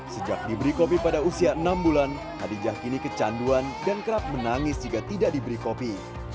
sejak diberi kopi pada usia enam bulan hadijah kini kecanduan dan kerap menangis jika tidak diberi kopi